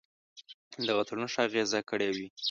دغه تړون ښه اغېزه کړې وي.